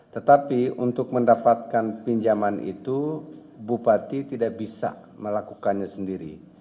tetapi untuk mendapatkan pinjaman itu bupati tidak bisa melakukannya sendiri